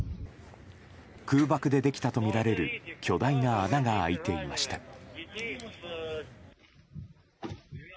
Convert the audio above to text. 空爆でできたとみられる巨大な穴が開いていました。